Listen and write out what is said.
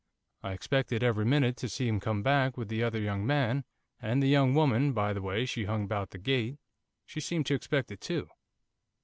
I expected, every minute, to see him come back with the other young man, and the young woman, by the way she hung about the gate, she seemed to expect it too.